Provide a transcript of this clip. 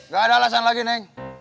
gak ada alasan lagi nih